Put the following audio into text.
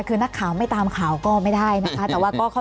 คือนักข่าวไม่ตามข่าวก็ไม่ได้นะคะ